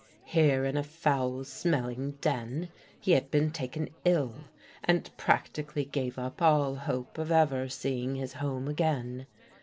Here, in a foul smelling den, he had been taken ill, and practically gave up all hope of ever seeing his home again.